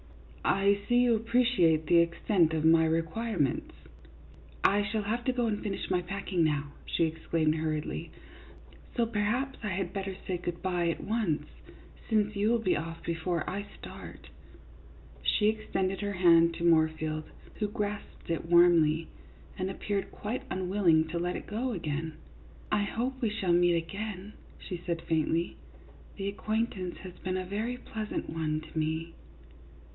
" I see you appreciate the extent of my requirements." " I shall have to go and finish my packing now," she exclaimed, hurriedly, " so perhaps I had better say good by at once, since you will be off before I start." She extended her hand to Moorfield, who grasped it warmly, and appeared quite unwilling to let it go again. " I hope we shall meet again," she said, faintly. " The acquaintance has been a very pleasant one to me."